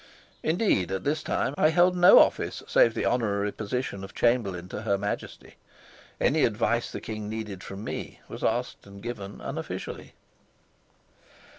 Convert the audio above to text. Indeed, at this time I held no office save the honorary position of chamberlain to Her Majesty. Any advice the king needed from me was asked and given unofficially.